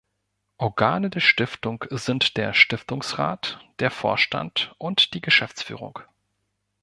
Organe der Stiftung sind der Stiftungsrat, der Vorstand und die Geschäftsführung.